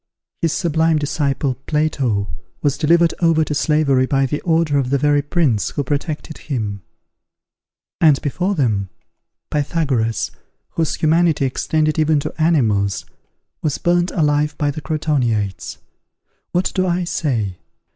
His sublime disciple, Plato was delivered over to slavery by the order of the very prince who protected him; and, before them, Pythagoras, whose humanity extended even to animals, was burned alive by the Crotoniates. What do I say?